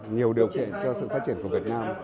nhiều điều kiện cho sự phát triển của việt nam